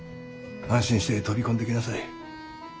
安心して飛び込んできなさい。